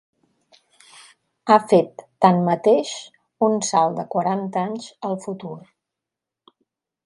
Ha fet tanmateix un salt de quaranta anys al futur.